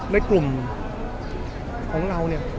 ในกลุ่มของเราเนี่ย